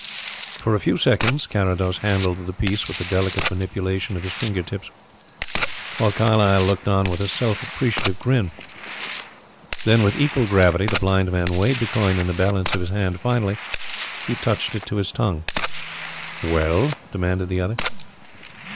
For a few seconds Carrados handled the piece with the delicate manipulation of his finger tips while Carlyle looked on with a self appreciative grin. Then with equal gravity the blind man weighed the coin in the balance of his hand. Finally he touched it with his tongue. "Well?" demanded the other.